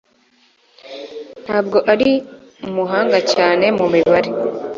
Ntabwo ari umuhanga cyane mu mibare.